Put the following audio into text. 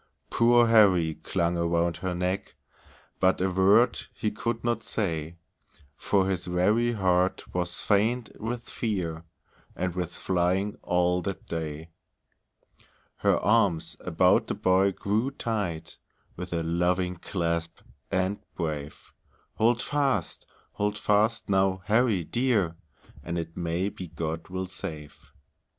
Poor Harry clung around her neck, But a word he could not say, For his very heart was faint with fear, And with flying all that day. Her arms about the boy grew tight, With a loving clasp, and brave; "Hold fast! Hold fast, now, Harry dear, And it may be God will save."